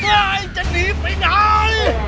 ไอ้จะหนีไปไหน